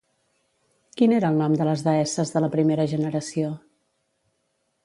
Quin era el nom de les deesses de la primera generació?